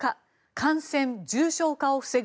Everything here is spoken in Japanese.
感染・重症化を防ぐ